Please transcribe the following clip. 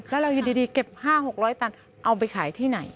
แล้วเราอยู่ดีเก็บ๕๖๐๐ตันเอาไปขายที่ไหน